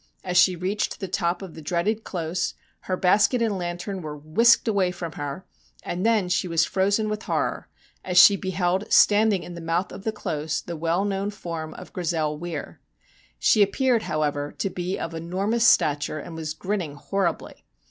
As she reached the top of the dreaded close her basket and lantern were whisked away from her, and then she was frozen with horror as she beheld standing in the mouth of the close the well known form of Grizel Weir. She appeared, however, to be of enormous stature, and was grinning horribly.